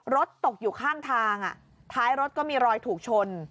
รถตกอยู่ข้างทางท้ายรถก็มีรอยถูกชน